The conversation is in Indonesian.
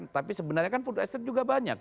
tapi sebenarnya kan food estate juga banyak